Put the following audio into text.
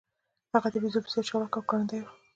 هغه د بیزو په څیر چلاک او ګړندی و.